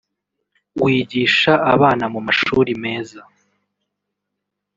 wigisha abana mu mashuri meza